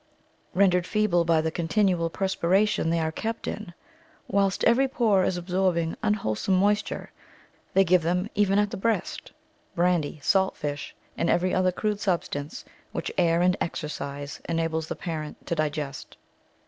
Rendered feeble by the continual perspiration they are kept in, whilst every pore is absorbing unwholesome moisture, they give them, even at the breast, brandy, salt fish, and every other crude substance which air and exercise enables the parent to digest.